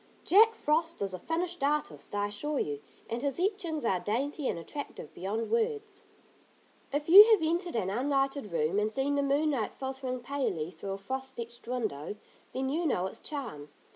Jack Frost is a finished artist, I assure you, and his etchings are dainty and attractive beyond words. If you have entered an unlighted room, and seen the moonlight filtering palely through a frost etched window; then you know its charm.